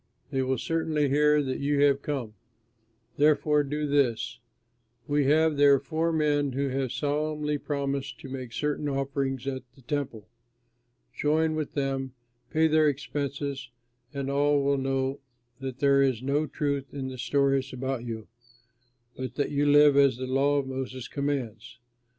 They will certainly hear that you have come; therefore do this: we have here four men who have solemnly promised to make certain offerings at the Temple. Join with them, pay their expenses, and all will know that there is no truth in the stories told about you, but that you live as the law of Moses commands."